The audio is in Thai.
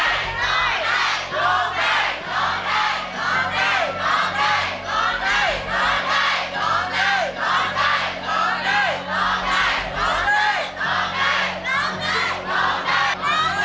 ร้องได้ร้องได้ร้องได้ร้องได้